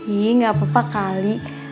ih gak apa apa kali